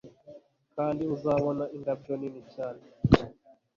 Kandi uzabona indabyo nini cyane